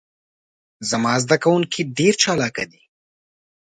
زما ذده کوونکي ډیر چالاکه دي.